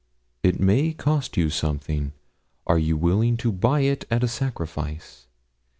It may cost you something are you willing to buy it at a sacrifice?